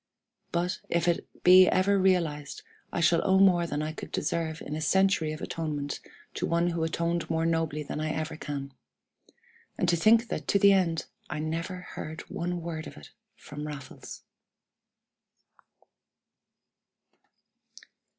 But, if it be ever realized, I shall owe more than I could deserve in a century of atonement to one who atoned more nobly than I ever can. And to think that to the end I never heard one word of it from Raffles!